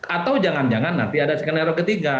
atau jangan jangan nanti ada skenario ketiga